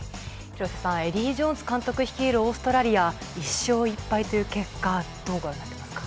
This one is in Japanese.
エディー・ジョーンズ監督率いるオーストラリア１勝１敗という結果どうご覧になっていますか？